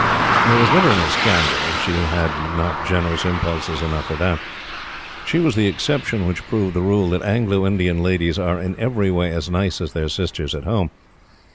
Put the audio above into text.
There was never any scandal she had not generous impulses enough for that. She was the exception which proved the rule that Anglo Indian ladies are in every way as nice as their sisters at Home.